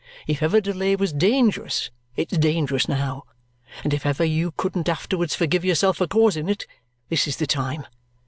If ever delay was dangerous, it's dangerous now; and if ever you couldn't afterwards forgive yourself for causing it, this is the time.